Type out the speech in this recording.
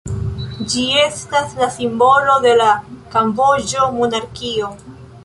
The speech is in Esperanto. Ĝi estas la simbolo de la kamboĝa monarkio.